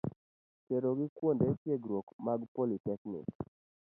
A. Terogi kuonde tiegruok mag politeknik.